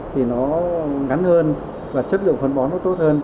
thì nó ngắn hơn và chất lượng phân bón nó tốt hơn